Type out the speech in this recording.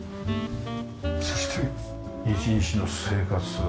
そして一日の生活。